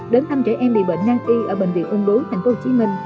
đến thăm trẻ em bị bệnh nang y ở bệnh viện ung đối tp hcm